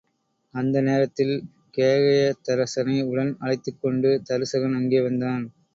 அந்த நேரத்தில் கேகயத்தரசனை உடன் அழைத்துக் கொண்டு தருசகன் அங்கே வந்தான்.